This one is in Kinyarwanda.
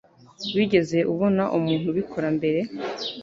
Wigeze ubona umuntu ubikora mbere?